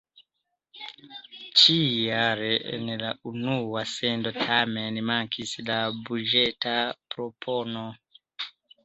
Ĉi-jare en la unua sendo tamen mankis la buĝeta propono.